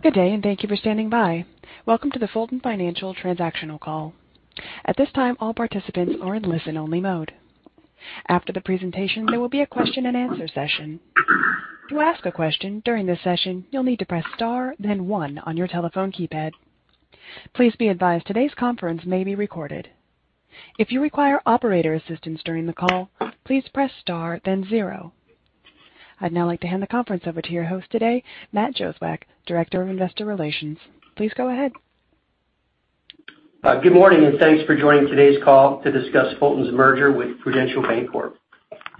Good day, and thank you for standing by. Welcome to the Fulton Financial transactional call. At this time, all participants are in listen-only mode. After the presentation, there will be a question and answer session. To ask a question during this session, you'll need to press star then one on your telephone keypad. Please be advised today's conference may be recorded. If you require operator assistance during the call, please press star then zero. I'd now like to hand the conference over to your host today, Matt Jozwiak, Director of Investor Relations. Please go ahead. Good morning, and thanks for joining today's call to discuss Fulton's merger with Prudential Bancorp.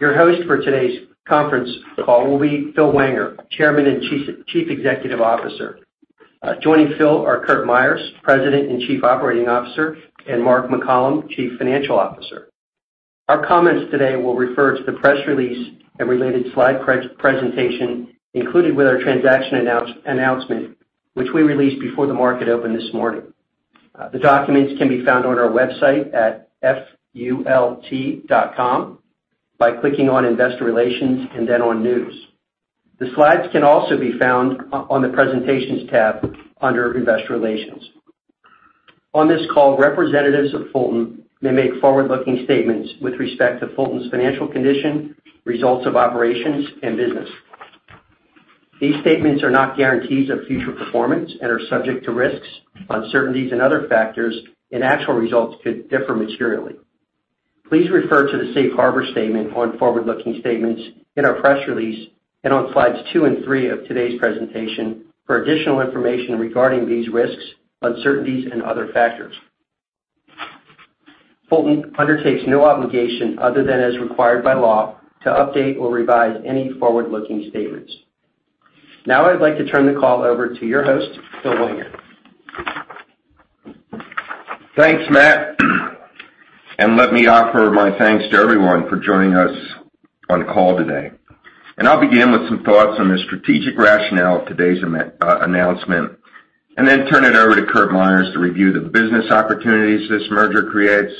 Your host for today's conference call will be Phil Wenger, Chairman and Chief Executive Officer. Joining Phil are Curt Myers, President and Chief Operating Officer, and Mark McCollom, Chief Financial Officer. Our comments today will refer to the press release and related slide presentation included with our transaction announcement, which we released before the market opened this morning. The documents can be found on our website at fultonbank.com by clicking on Investor Relations and then on News. The slides can also be found on the Presentations tab under Investor Relations. On this call, representatives of Fulton may make forward-looking statements with respect to Fulton's financial condition, results of operations, and business. These statements are not guarantees of future performance and are subject to risks, uncertainties and other factors, and actual results could differ materially. Please refer to the safe harbor statement on forward-looking statements in our press release and on slides two and three of today's presentation for additional information regarding these risks, uncertainties and other factors. Fulton undertakes no obligation other than as required by law to update or revise any forward-looking statements. Now I'd like to turn the call over to your host, Phil Wenger. Thanks, Matt, and let me offer my thanks to everyone for joining us on the call today. I'll begin with some thoughts on the strategic rationale of today's announcement and then turn it over to Curt Myers to review the business opportunities this merger creates,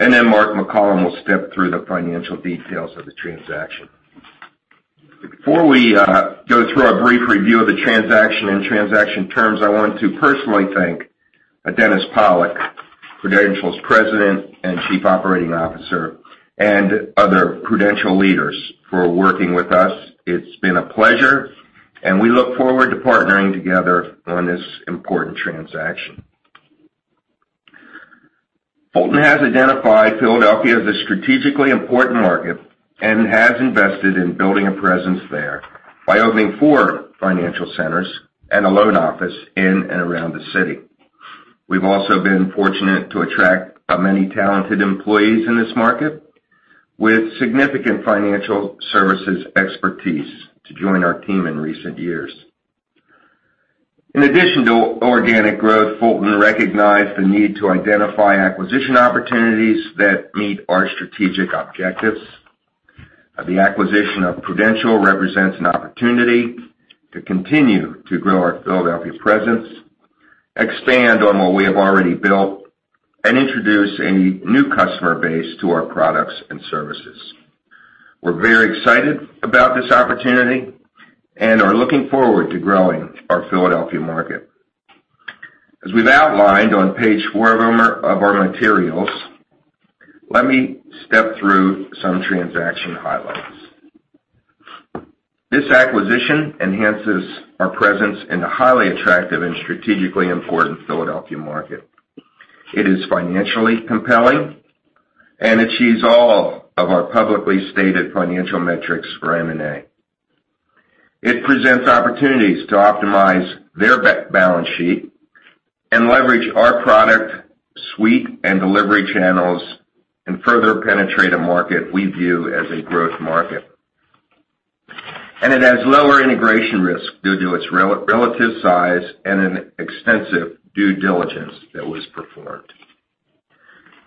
and then Mark McCollom will step through the financial details of the transaction. Before we go through our brief review of the transaction and transaction terms, I want to personally thank Dennis Pollack, Prudential's President and Chief Operating Officer, and other Prudential leaders for working with us. It's been a pleasure, and we look forward to partnering together on this important transaction. Fulton has identified Philadelphia as a strategically important market and has invested in building a presence there by opening four financial centers and a loan office in and around the city. We've also been fortunate to attract many talented employees in this market with significant financial services expertise to join our team in recent years. In addition to organic growth, Fulton recognized the need to identify acquisition opportunities that meet our strategic objectives. The acquisition of Prudential represents an opportunity to continue to grow our Philadelphia presence, expand on what we have already built, and introduce a new customer base to our products and services. We're very excited about this opportunity and are looking forward to growing our Philadelphia market. As we've outlined on page four of our materials, let me step through some transaction highlights. This acquisition enhances our presence in the highly attractive and strategically important Philadelphia market. It is financially compelling and achieves all of our publicly stated financial metrics for M&A. It presents opportunities to optimize their balance sheet and leverage our product suite and delivery channels and further penetrate a market we view as a growth market. It has lower integration risk due to its relative size and an extensive due diligence that was performed.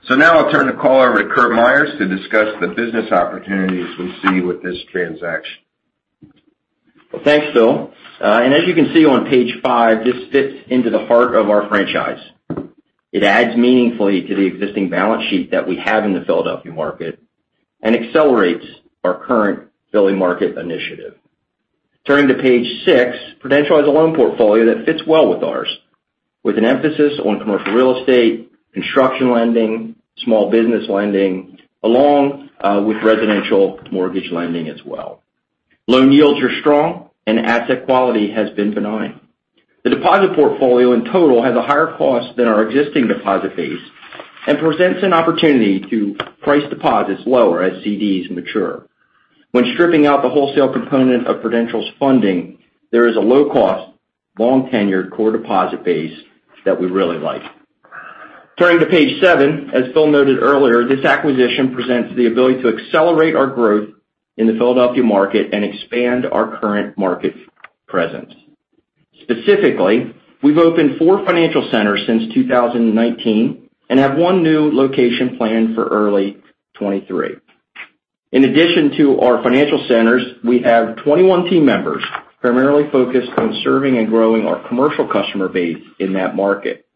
Now I'll turn the call over to Curt Myers to discuss the business opportunities we see with this transaction. Well, thanks, Phil. As you can see on page five, this fits into the heart of our franchise. It adds meaningfully to the existing balance sheet that we have in the Philadelphia market and accelerates our current Philly market initiative. Turning to page six, Prudential has a loan portfolio that fits well with ours, with an emphasis on commercial real estate, construction lending, small business lending, along with residential mortgage lending as well. Loan yields are strong and asset quality has been benign. The deposit portfolio in total has a higher cost than our existing deposit base and presents an opportunity to price deposits lower as CDs mature. When stripping out the wholesale component of Prudential's funding, there is a low-cost, long-tenured core deposit base that we really like. Turning to page seven, as Phil noted earlier, this acquisition presents the ability to accelerate our growth in the Philadelphia market and expand our current market presence. Specifically, we've opened four financial centers since 2019 and have one new location planned for early 2023. In addition to our financial centers, we have 21 team members primarily focused on serving and growing our commercial customer base in that market.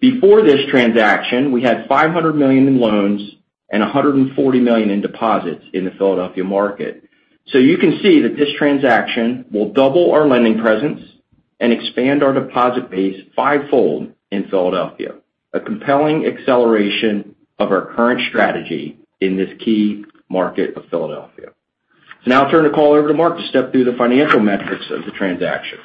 Before this transaction, we had $500 million in loans and $140 million in deposits in the Philadelphia market. You can see that this transaction will double our lending presence and expand our deposit base fivefold in Philadelphia, a compelling acceleration of our current strategy in this key market of Philadelphia. Now I'll turn the call over to Mark to step through the financial metrics of the transaction.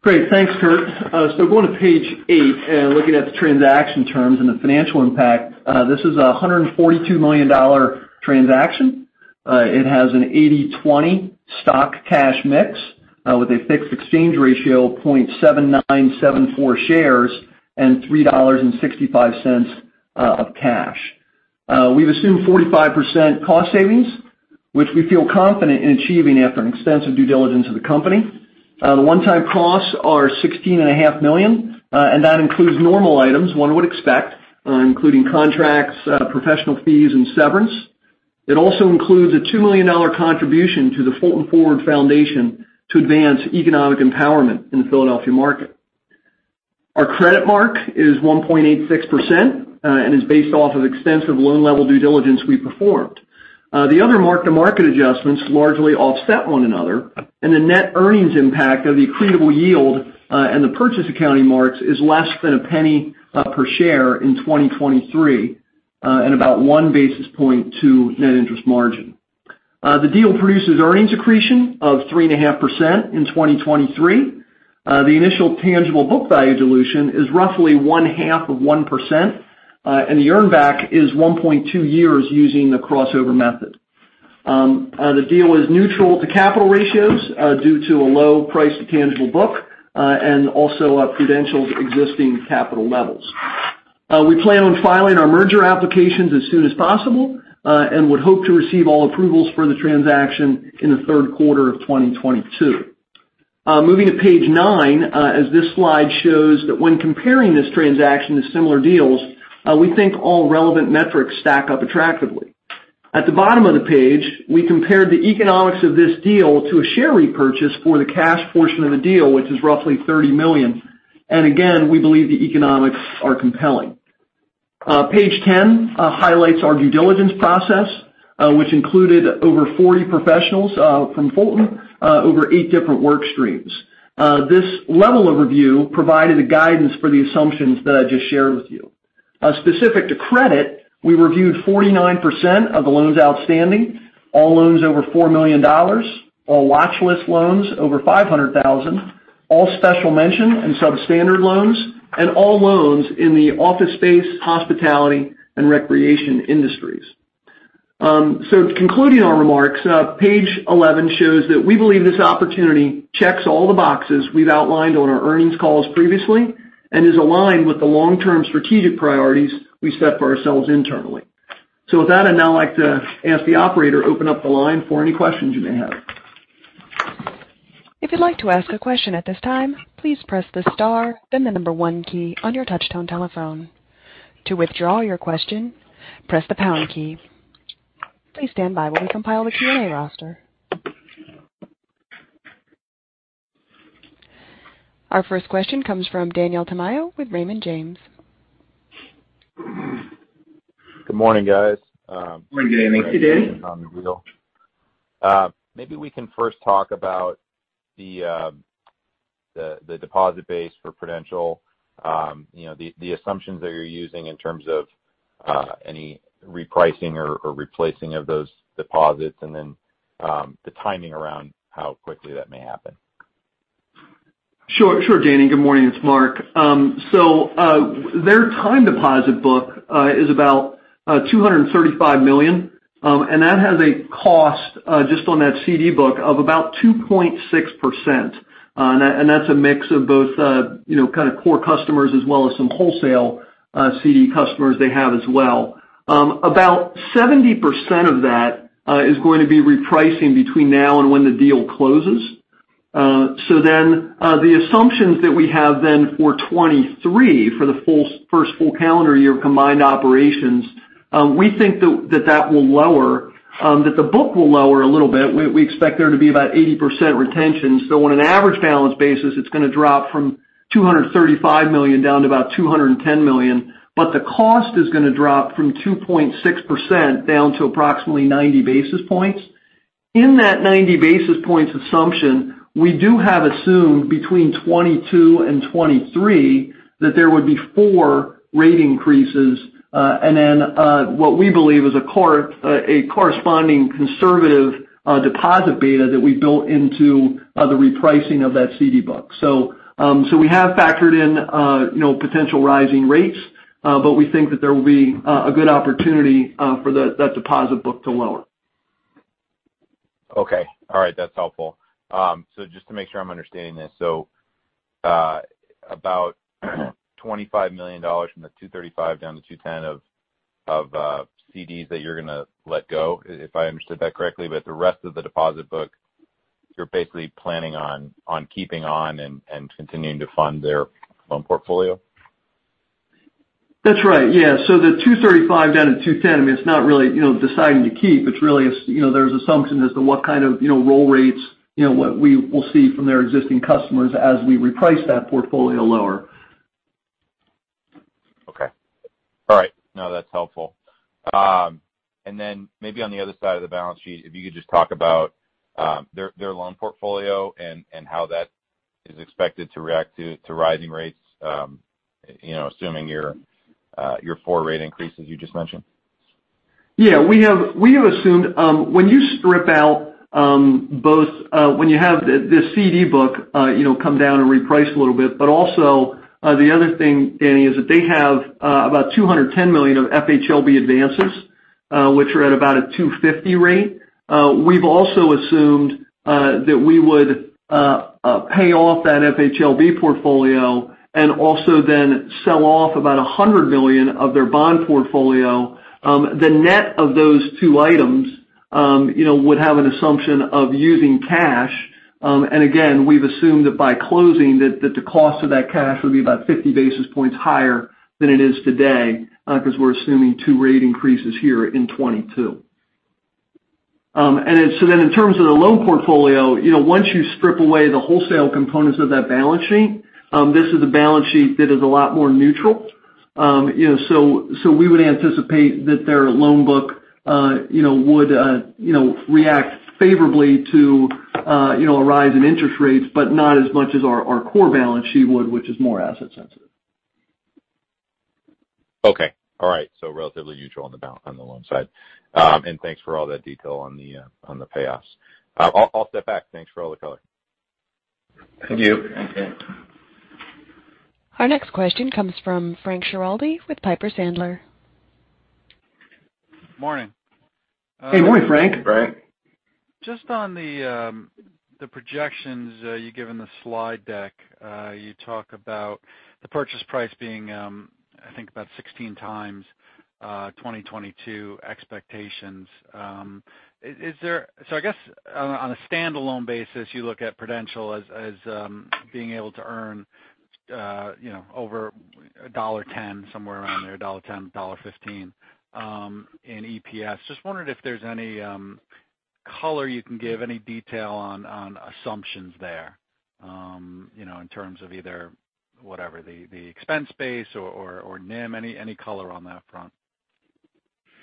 Great. Thanks, Curt. Going to page eight and looking at the transaction terms and the financial impact, this is a $142 million transaction. It has an 80/20 stock-cash mix, with a fixed exchange ratio of 0.7974 shares and $3.65 of cash. We've assumed 45% cost savings, which we feel confident in achieving after an extensive due diligence of the company. The one-time costs are $16.5 million, and that includes normal items one would expect, including contracts, professional fees, and severance. It also includes a $2 million contribution to the Fulton Forward Foundation to advance economic empowerment in the Philadelphia market. Our credit mark is 1.86%, and is based off of extensive loan-level due diligence we performed. The other mark-to-market adjustments largely offset one another, and the net earnings impact of the accretable yield and the purchase accounting marks is less than a penny per share in 2023 and about 1 basis point to net interest margin. The deal produces earnings accretion of 3.5% in 2023. The initial tangible book value dilution is roughly 0.5%, and the earn back is 1.2 years using the crossover method. The deal is neutral to capital ratios due to a low price to tangible book and also Prudential's existing capital levels. We plan on filing our merger applications as soon as possible and would hope to receive all approvals for the transaction in the third quarter of 2022. Moving to page nine, as this slide shows that when comparing this transaction to similar deals, we think all relevant metrics stack up attractively. At the bottom of the page, we compared the economics of this deal to a share repurchase for the cash portion of the deal, which is roughly $30 million. Again, we believe the economics are compelling. Page ten highlights our due diligence process, which included over 40 professionals from Fulton, over eight different work streams. This level of review provided a guidance for the assumptions that I just shared with you. Specific to credit, we reviewed 49% of the loans outstanding, all loans over $4 million, all watch list loans over $500,000, all special mention and substandard loans, and all loans in the office space, hospitality, and recreation industries. Concluding our remarks, page 11 shows that we believe this opportunity checks all the boxes we've outlined on our earnings calls previously and is aligned with the long-term strategic priorities we set for ourselves internally. With that, I'd now like to ask the operator to open up the line for any questions you may have. Our first question comes from Daniel Tamayo with Raymond James. Good morning, guys. Good morning, Danny. Hey, Danny. Maybe we can first talk about the deposit base for Prudential, you know, the assumptions that you're using in terms of any repricing or replacing of those deposits, and then the timing around how quickly that may happen. Sure, Dan. Good morning. It's Mark. Their time deposit book is about $235 million, and that has a cost just on that CD book of about 2.6%. That's a mix of both, you know, kind of core customers as well as some wholesale CD customers they have as well. About 70% of that is going to be repricing between now and when the deal closes. The assumptions that we have for 2023, for the first full calendar year of combined operations, we think that the book will lower a little bit. We expect there to be about 80% retention. On an average balance basis, it's gonna drop from $235 million down to about $210 million, but the cost is gonna drop from 2.6% down to approximately 90 basis points. In that 90 basis points assumption, we do have assumed between 2022 and 2023 that there would be four rate increases, and then what we believe is a corresponding conservative deposit beta that we built into the repricing of that CD book. We have factored in, you know, potential rising rates, but we think that there will be a good opportunity for that deposit book to lower. Okay. All right. That's helpful. Just to make sure I'm understanding this. About $25 million from the 2.35% down to 2.10% of CDs that you're gonna let go, if I understood that correctly. The rest of the deposit book, you're basically planning on keeping on and continuing to fund their loan portfolio? That's right, yeah. The 2.35%-2.10%, I mean, it's not really, you know, deciding to keep. It's really, you know, there's assumption as to what kind of, you know, roll rates, you know, what we will see from their existing customers as we reprice that portfolio lower. Okay. All right. No, that's helpful. Maybe on the other side of the balance sheet, if you could just talk about their loan portfolio and how that is expected to react to rising rates, you know, assuming your four rate increases you just mentioned? Yeah. We have assumed when you strip out both when you have the CD book you know come down and reprice a little bit, but also the other thing, Daniel, is that they have about $210 million of FHLB advances which are at about a 2.50 rate. We've also assumed that we would pay off that FHLB portfolio and also then sell off about $100 million of their bond portfolio. The net of those two items you know would have an assumption of using cash. Again, we've assumed that by closing that the cost of that cash would be about 50 basis points higher than it is today because we're assuming two rate increases here in 2022. In terms of the loan portfolio, you know, once you strip away the wholesale components of that balance sheet, this is a balance sheet that is a lot more neutral. You know, we would anticipate that their loan book, you know, would, you know, react favorably to, you know, a rise in interest rates, but not as much as our core balance sheet would, which is more asset sensitive. Okay. All right. Relatively neutral on the loan side. Thanks for all that detail on the payoffs. I'll step back. Thanks for all the color. Thank you. Our next question comes from Frank Schiraldi with Piper Sandler. Morning. Hey, morning, Frank. Hey, Frank. Just on the projections you give in the slide deck, you talk about the purchase price being I think about 16 times 2022 expectations. So I guess on a standalone basis, you look at Prudential as being able to earn you know over $1.10, somewhere around there, $1.10 $1.15 in EPS. Just wondered if there's any color you can give, any detail on assumptions there you know in terms of either whatever the expense base or NIM, any color on that front.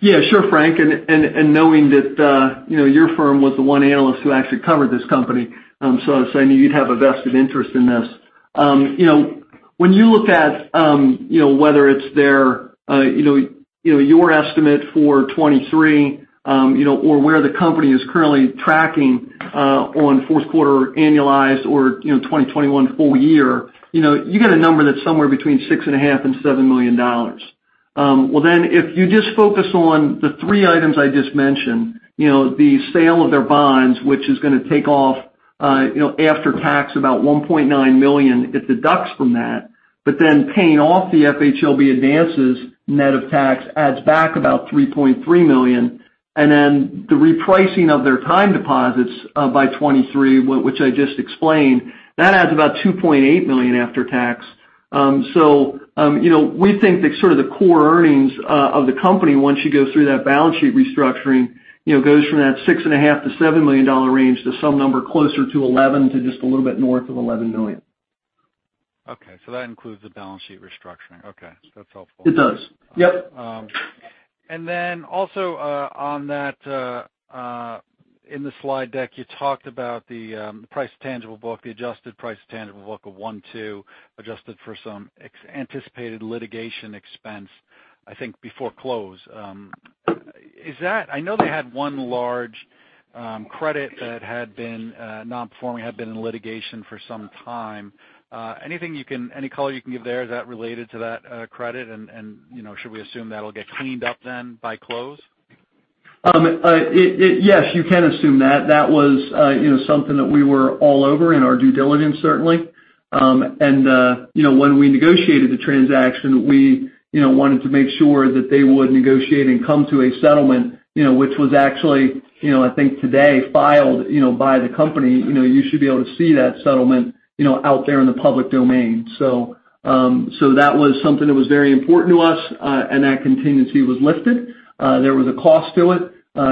Yeah, sure, Frank. Knowing that, you know, your firm was the one analyst who actually covered this company, so I was saying you'd have a vested interest in this. You know, when you look at, you know, your estimate for 2023, or where the company is currently tracking, on fourth quarter annualized or, 2021 full year, you know, you get a number that's somewhere between $6.5 million and $7 million. Well, then if you just focus on the three items I just mentioned, you know, the sale of their bonds, which is gonna take off, you know, after tax about $1.9 million, it deducts from that. Paying off the FHLB advances net of tax adds back about $3.3 million. The repricing of their time deposits by 2023, which I just explained, that adds about $2.8 million after tax. You know, we think that sort of the core earnings of the company once you go through that balance sheet restructuring, you know, goes from that $6.5 million-$7 million range to some number closer to $11 million to just a little bit north of $11 million. Okay. That includes the balance sheet restructuring. Okay. That's helpful. It does. Yep. On that, in the slide deck, you talked about the price tangible book, the adjusted price tangible book of 1.2x, adjusted for some anticipated litigation expense, I think, before close. Is that? I know they had one large credit that had been non-performing, had been in litigation for some time. Any color you can give there? Is that related to that credit? And you know, should we assume that'll get cleaned up then by close? Yes, you can assume that. That was, you know, something that we were all over in our due diligence, certainly. You know, when we negotiated the transaction, we, you know, wanted to make sure that they would negotiate and come to a settlement, you know, which was actually, you know, I think today filed, you know, by the company. You know, you should be able to see that settlement, you know, out there in the public domain. That was something that was very important to us, and that contingency was lifted. There was a cost to it,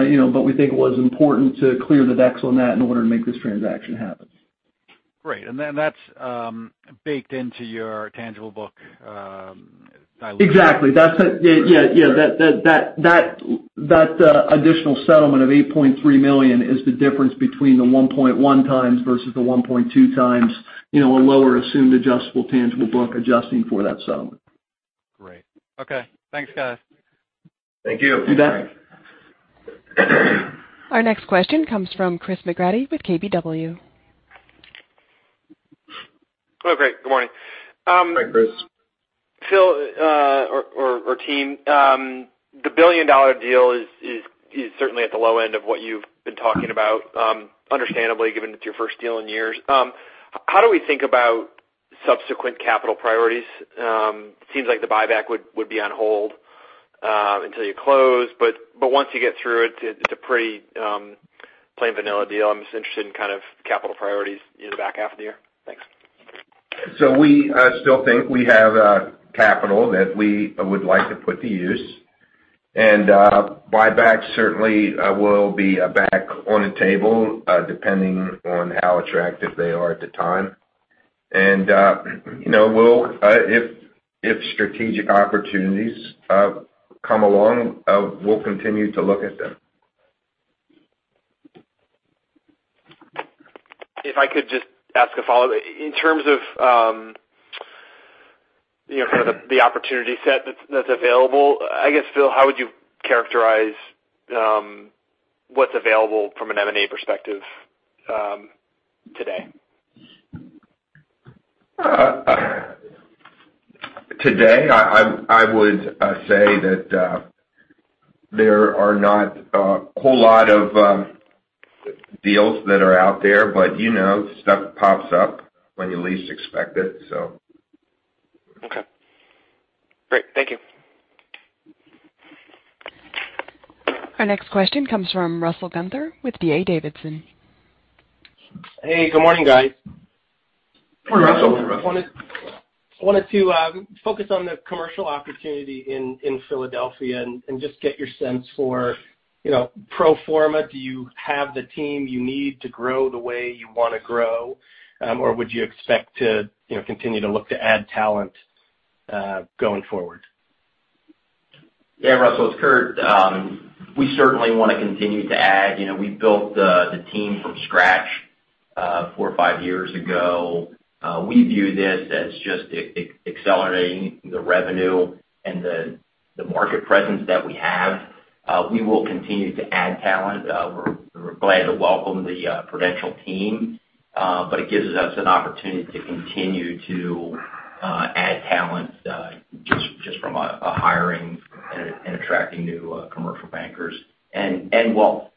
you know, but we think it was important to clear the decks on that in order to make this transaction happen. Great. That's baked into your tangible book dilution. Exactly. That's it. Yeah, yeah. That additional settlement of $8.3 million is the difference between the 1.1x versus the 1.2x, you know, a lower assumed adjustable tangible book adjusting for that settlement. Great. Okay. Thanks, guys. Thank you. You bet. Our next question comes from Chris McGratty with KBW. Oh, great. Good morning. Hi, Chris. Phil, or team, the billion-dollar deal is certainly at the low end of what you've been talking about, understandably, given it's your first deal in years. How do we think about subsequent capital priorities? Seems like the buyback would be on hold until you close. Once you get through it's a pretty plain vanilla deal. I'm just interested in kind of capital priorities in the back half of the year. Thanks. We still think we have capital that we would like to put to use. Buyback certainly will be back on the table depending on how attractive they are at the time. You know, we'll, if strategic opportunities come along, we'll continue to look at them. If I could just ask a follow-up. In terms of, you know, kind of the opportunity set that's available, I guess, Phil, how would you characterize what's available from an M&A perspective, today? Today I would say that there are not a whole lot of deals that are out there, but, you know, stuff pops up when you least expect it. Okay. Great. Thank you. Our next question comes from Russell Gunther with DA Davidson. Hey, good morning, guys. Good morning, Russell. I wanted to focus on the commercial opportunity in Philadelphia and just get your sense for, you know, pro forma, do you have the team you need to grow the way you wanna grow? Would you expect to, you know, continue to look to add talent going forward? Yeah, Russell, it's Curt. We certainly wanna continue to add. You know, we built the team from scratch four or five years ago. We view this as just accelerating the revenue and the market presence that we have. We will continue to add talent. We're glad to welcome the Prudential team, but it gives us an opportunity to continue to add talent, just from a hiring and attracting new commercial bankers and wealth.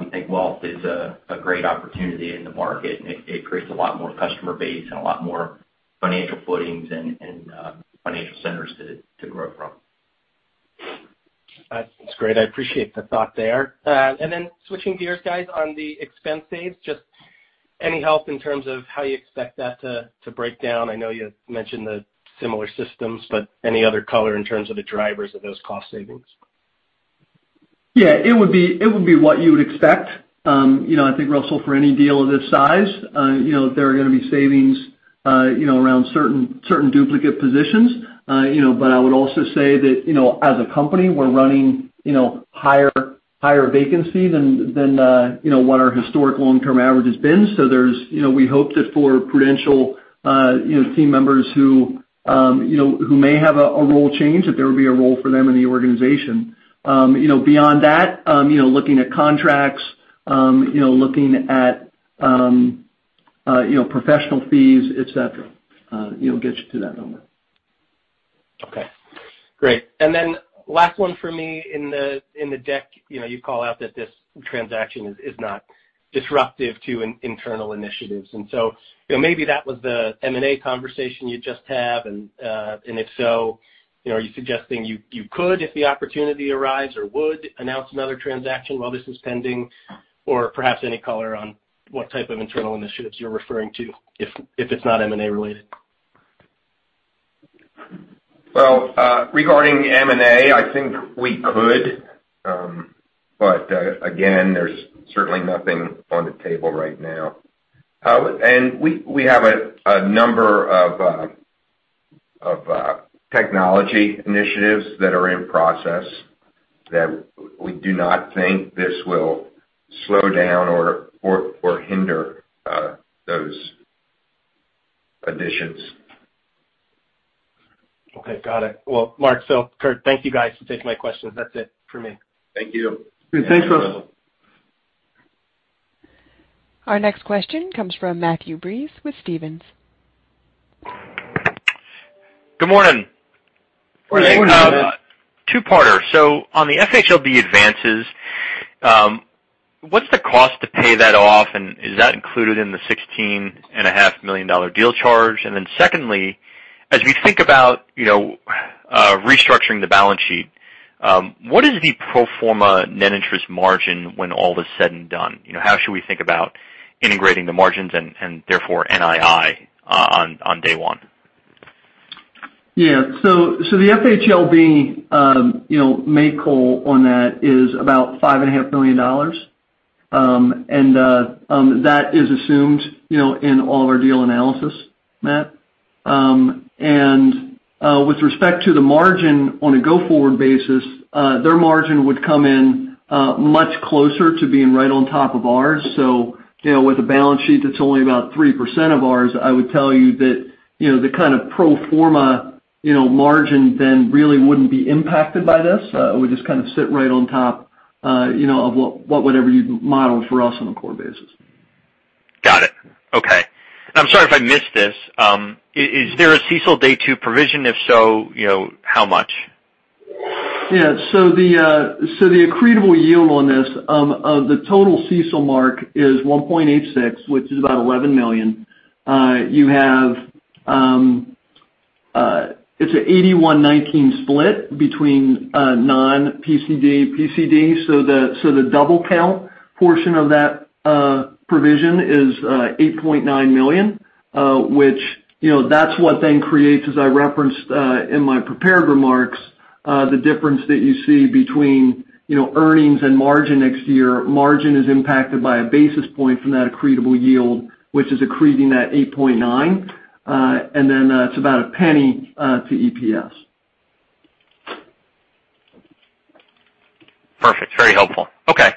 We think wealth is a great opportunity in the market, and it creates a lot more customer base and a lot more financial footings and financial centers to grow from. That's great. I appreciate the thought there. Switching gears, guys, on the expense saves, just any help in terms of how you expect that to break down? I know you had mentioned the similar systems, but any other color in terms of the drivers of those cost savings? Yeah. It would be what you would expect. You know, I think, Russell, for any deal of this size, you know, there are gonna be savings, you know, around certain duplicate positions. You know, but I would also say that, you know, as a company, we're running, you know, higher vacancy than what our historic long-term average has been. So there's, you know, we hope that for Prudential, you know, team members who, you know, who may have a role change, that there would be a role for them in the organization. You know, beyond that, you know, looking at contracts, you know, looking at professional fees, et cetera, you know, gets you to that number. Okay. Great. Last one for me. In the deck, you know, you call out that this transaction is not disruptive to internal initiatives. You know, maybe that was the M&A conversation you just had, and if so, you know, are you suggesting you could if the opportunity arrives or would announce another transaction while this is pending? Or perhaps any color on what type of internal initiatives you're referring to if it's not M&A related. Well, regarding M&A, I think we could, but again, there's certainly nothing on the table right now. We have a number of technology initiatives that are in process that we do not think this will slow down or hinder those additions. Okay. Got it. Well, Mark, Phil, Curt, thank you guys for taking my questions. That's it for me. Thank you. Thanks, Russell. Our next question comes from Matthew Breese with Stephens. Good morning. Good morning, Matt. Two-parter. On the FHLB advances, what's the cost to pay that off, and is that included in the $16.5 million deal charge? Secondly, as we think about, you know, restructuring the balance sheet, what is the pro forma net interest margin when all is said and done? You know, how should we think about integrating the margins and therefore NII on day one? Yeah. The FHLB, you know, made call on that is about $5.5 million. That is assumed, you know, in all of our deal analysis, Matt. With respect to the margin on a go-forward basis, their margin would come in, much closer to being right on top of ours. You know, with a balance sheet that's only about 3% of ours, I would tell you that, you know, the kind of pro forma, you know, margin then really wouldn't be impacted by this, it would just kind of sit right on top, you know, of whatever you model for us on a core basis. Got it. Okay. I'm sorry if I missed this. Is there a CECL Day Two Provision? If so, you know how much? Yeah. The accretable yield on this, the total CECL mark is 1.86, which is about $11 million. You have, it's a 81/19 split between non-PCD, PCD. The double count portion of that provision is $8.9 million, which, you know, that's what then creates, as I referenced, in my prepared remarks, the difference that you see between, you know, earnings and margin next year. Margin is impacted by 1 basis point from that accretable yield, which is accreting that $8.9. Then, it's about $0.01 to EPS. Perfect. Very helpful. Okay.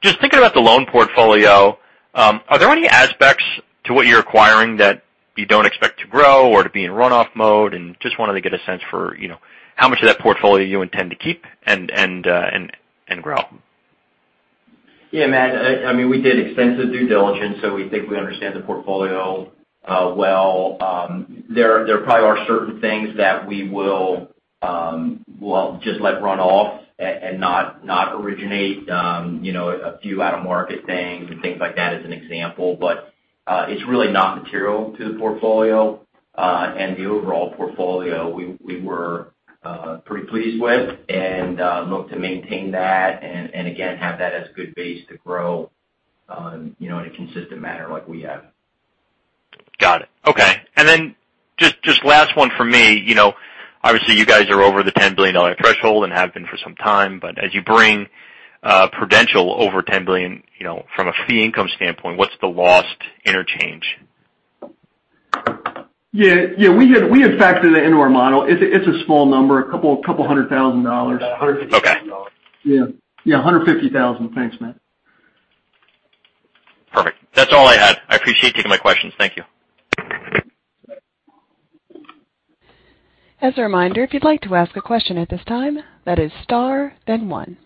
Just thinking about the loan portfolio, are there any aspects to what you're acquiring that you don't expect to grow or to be in runoff mode? Just wanted to get a sense for, you know, how much of that portfolio you intend to keep and grow. Yeah, Matt, I mean, we did extensive due diligence, so we think we understand the portfolio, well. There probably are certain things that we will, we'll just let run off and not originate, you know, a few out-of-market things and things like that as an example. It's really not material to the portfolio. The overall portfolio, we were pretty pleased with and look to maintain that and again, have that as a good base to grow, you know, in a consistent manner like we have. Got it. Okay. Just last one for me. You know, obviously you guys are over the $10 billion threshold and have been for some time. As you bring Prudential over $10 billion, you know, from a fee income standpoint, what's the lost interchange? Yeah, we had factored it into our model. It's a small number, $200,000. About $150 thousand. Yeah. Yeah, $150,000. Thanks, Matt. Perfect. That's all I had. I appreciate you taking my questions. Thank you. As a reminder, if you'd like to ask a question at this time, that is star then one.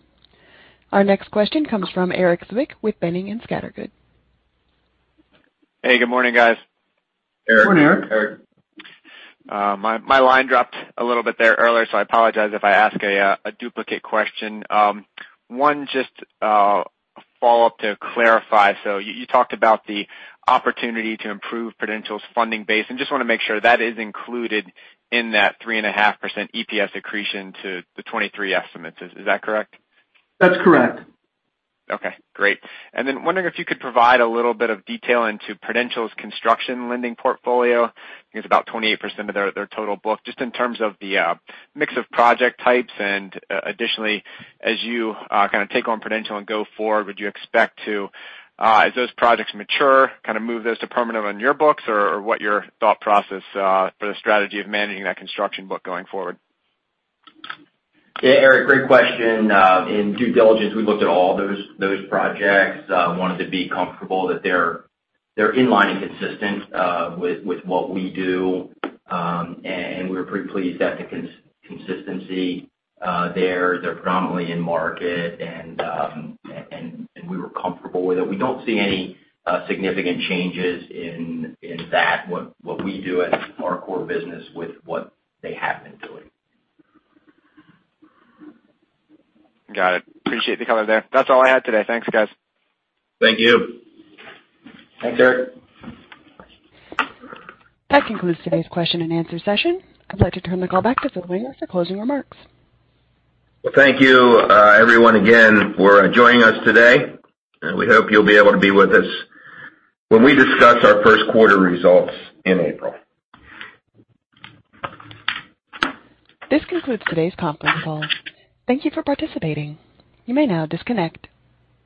Our next question comes from Eric Zwick with Boenning & Scattergood. Hey, good morning, guys. Good morning, Eric. Eric. My line dropped a little bit there earlier, so I apologize if I ask a duplicate question. One follow-up to clarify. You talked about the opportunity to improve Prudential's funding base, and just wanna make sure that is included in that 3.5% EPS accretion to the 2023 estimates. Is that correct? That's correct. Okay, great. Wondering if you could provide a little bit of detail into Prudential's construction lending portfolio. I think it's about 28% of their total book, just in terms of the mix of project types. Additionally, as you kind of take on Prudential and go forward, do you expect to, as those projects mature, kind of move those to permanent on your books or what your thought process for the strategy of managing that construction book going forward? Yeah, Eric, great question. In due diligence, we looked at all those projects, wanted to be comfortable that they're in line and consistent with what we do. We were pretty pleased at the consistency there. They're predominantly in market and we were comfortable with it. We don't see any significant changes in that what we do as our core business with what they have been doing. Got it. Appreciate the color there. That's all I had today. Thanks, guys. Thank you. Thanks, Eric. That concludes today's question and answer session. I'd like to turn the call back to Phil Wenger for closing remarks. Well, thank you, everyone again for joining us today, and we hope you'll be able to be with us when we discuss our first quarter results in April. This concludes today's conference call. Thank you for participating. You may now disconnect.